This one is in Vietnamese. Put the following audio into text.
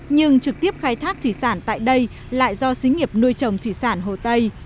nhưng trực tiếp khai thác thủy sản tại đây lại do xí nghiệp nuôi trồng thủy sản hồ tây